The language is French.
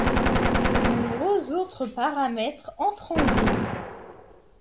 De nombreux autres paramètres entrent en jeu.